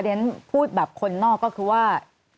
เดี๋ยวฉันพูดแบบคนนอกก็คือว่า